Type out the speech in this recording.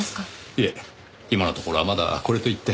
いえ今のところはまだこれといって。